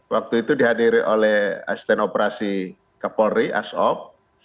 waktu itu dihadiri oleh asisten operasi ke polri asop